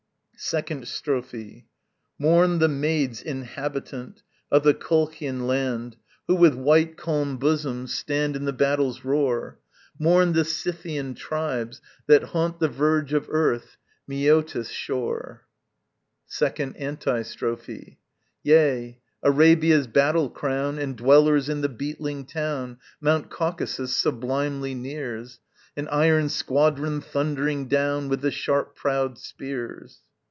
2nd Strophe. Mourn the maids inhabitant Of the Colchian land, Who with white, calm bosoms stand In the battle's roar: Mourn the Scythian tribes that haunt The verge of earth, Mæotis' shore. 2nd Antistrophe. Yea! Arabia's battle crown, And dwellers in the beetling town Mount Caucasus sublimely nears, An iron squadron, thundering down With the sharp prowed spears.